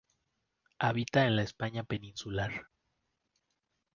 Habita en la España peninsular.